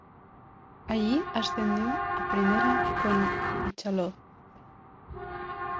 Allí ascendió a Primera con Michalovce.